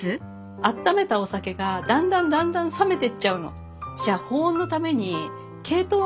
あっためたお酒がだんだんだんだん冷めてっちゃうの。